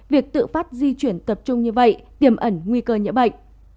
việc tự phát di chuyển tập trung như vậy tiềm ẩn nguy cơ nhiễm bệnh